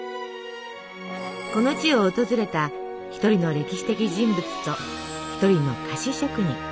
この地を訪れた一人の歴史的人物と一人の菓子職人。